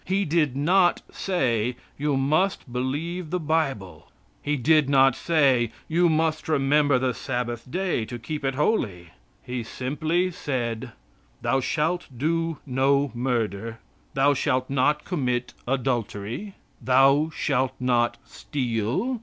He did not say: "You must believe the Bible." He did not say: "You must remember the Sabbath day, to keep it holy." He simply said: "Thou shalt do no murder. Thou shalt not commit adultery. Thou shalt not steal.